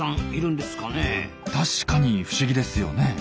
確かに不思議ですよね。